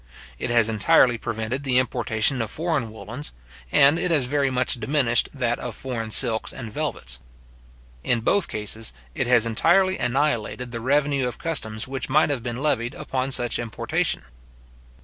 It has entirely prevented the importation of foreign wollens; and it has very much diminished that of foreign silks and velvets, In both cases, it has entirely annihilated the revenue of customs which might have been levied upon such importation.